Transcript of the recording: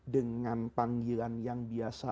dengan panggilan yang biasa